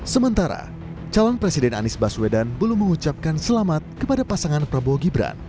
sementara calon presiden anies baswedan belum mengucapkan selamat kepada pasangan prabowo gibran